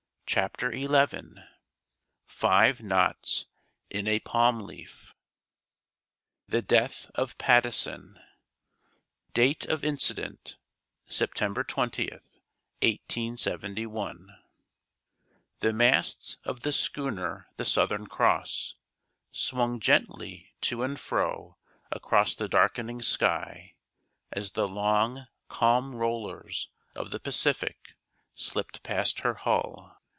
CHAPTER XI FIVE KNOTS IN A PALM LEAF The Death of Patteson (Date of Incident, September 20th, 1871) The masts of the schooner The Southern Cross swung gently to and fro across the darkening sky as the long, calm rollers of the Pacific slipped past her hull.